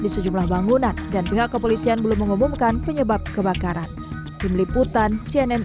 di sejumlah bangunan dan pihak kepolisian belum mengumumkan penyebab kebakaran tim liputan cnn